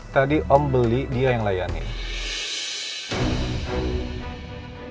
tadi om beli dia yang layanin